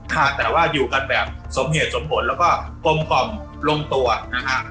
ค่ะแต่ว่าอยู่กันแบบสมเหตุสมผลแล้วก็กลมกล่อมลงตัวนะฮะ